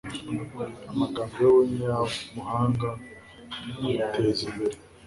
amagambo y'umunyabuhanga amuteza imbere